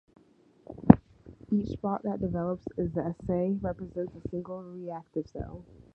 Each spot that develops in the assay represents a single reactive cell.